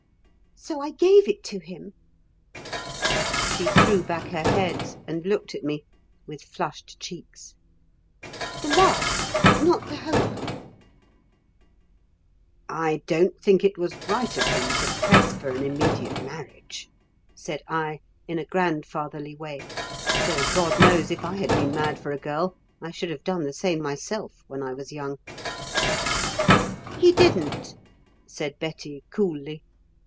So I gave it to him." She threw back her head and looked at me, with flushed cheeks. "The love, not the hope." "I don't think it was right of him to press for an immediate marriage," said I, in a grandfatherly way though God knows if I had been mad for a girl I should have done the same myself when I was young. "He didn't" said Betty, coolly.